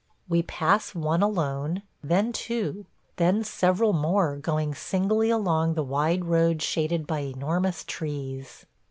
... We pass one alone, then two, then several more going singly along the wide road shaded by enormous trees.